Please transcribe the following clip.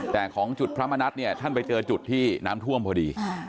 แต่ของจุดพระมณัฐเนี่ยท่านไปเจอจุดที่น้ำท่วมพอดี